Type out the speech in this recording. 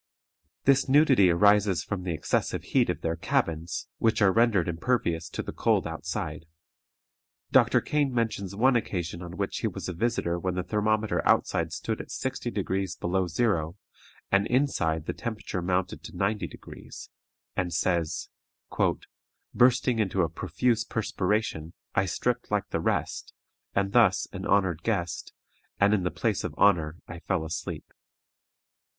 This nudity arises from the excessive heat of their cabins, which are rendered impervious to the cold outside. Dr. Kane mentions one occasion on which he was a visitor when the thermometer outside stood at 60° below zero, and inside the temperature mounted to 90°, and says, "Bursting into a profuse perspiration, I stripped like the rest, and thus, an honored guest, and in the place of honor, I fell asleep."